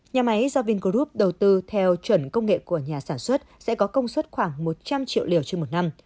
nhà máy do vingroup đầu tư theo chuẩn công nghệ của nhà sản xuất sẽ có công suất khoảng một trăm linh triệu liều trên một năm